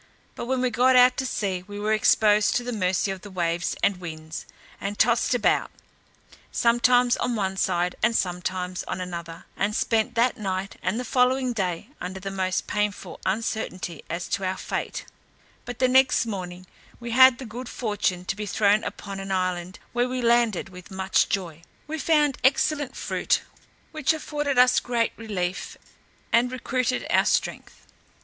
But when we got out to sea, we were exposed to the mercy of the waves and winds, and tossed about, sometimes on one side, and sometimes on another, and spent that night and the following day under the most painful uncertainty as to our fate; but next morning we had the good fortune to be thrown upon an island, where we landed with much joy. We found excellent fruit, which afforded us great relief, and recruited our strength.